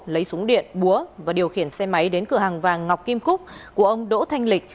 lấy súng điện búa và điều khiển xe máy đến cửa hàng vàng ngọc kim cúc của ông đỗ thanh lịch